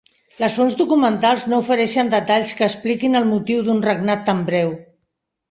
Les fonts documentals no ofereixen detalls que expliquin el motiu d'un regnat tan breu.